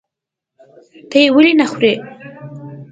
ته یې ولې نخورې؟